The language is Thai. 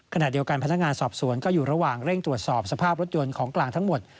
ขณะเดียวกันพนักงานสอบสวนก็อยู่ระหว่างเร่งตรวจสอบสภาพรถยนต์ของกลางทั้งหมด